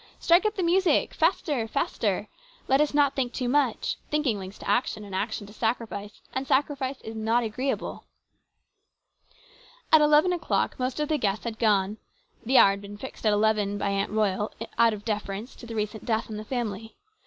Strike up the music faster ! faster ! Let us not think too much. Thinking leads to action, and action leads to sacrifice, and sacrifice is not agreeable. At eleven o'clock most of the guests had gone. The hour had been fixed at eleven by Aunt Royal out of deference to the recent death in the family.